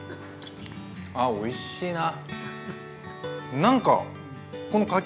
あっおいしいな。